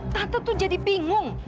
tante tuh jadi bingung